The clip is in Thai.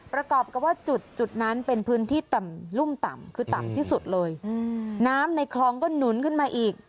ประกอบกับว่าจุดจุดนั้นเป็นพื้นที่ต่ำรุ่มต่ำคือต่ำที่สุดเลยน้ำในคลองก็หนุนขึ้นมาอีก